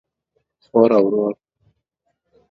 خور او ورور